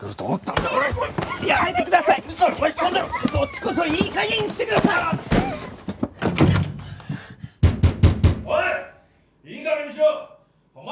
おい！